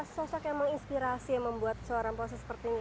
sosok yang menginspirasi membuat seorang posis seperti ini